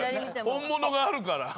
本物があるから。